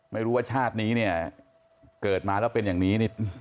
ไม่รู้ว่าชาตินี้เนี่ยเกิดมาแล้วเป็นอย่างนี้นี่